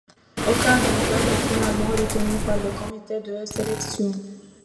Aucun vainqueur n'est finalement retenu par le comité de sélection.